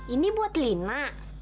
ini buat lina